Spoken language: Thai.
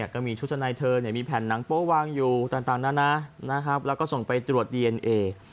ก็มีชุดชะในเธอมีแผ่นหนังโป๊วางอยู่ต่างนานาแล้วก็ส่งไปตรวจดีเอนเอ